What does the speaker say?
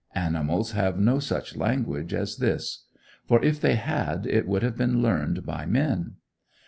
Animals have no such language as this; for, if they had, it would have been learned by men.